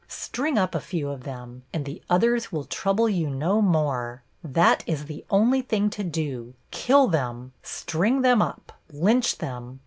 String up a few of them, and the others will trouble you no more. That is the only thing to do kill them, string them up, lynch them!